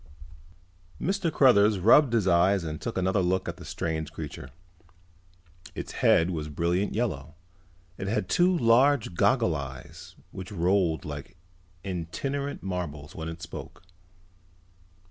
Mr. Cruthers rubbed his eyes and took another look at the strange creature. Its head was a brilliant yellow. It had two large goggle eyes which rolled like itinerant marbles when it spoke.